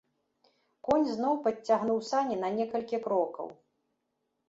Конь зноў падцягнуў сані на некалькі крокаў.